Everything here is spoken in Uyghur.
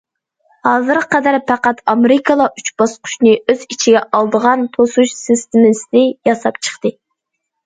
ھازىرغا قەدەر پەقەت ئامېرىكىلا ئۈچ باسقۇچنى ئۆز ئىچىگە ئالىدىغان توسۇش سىستېمىسى ياساپ چىقتى.